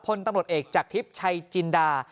พลตำรวจเอกจากทิพย์ชัยจินดา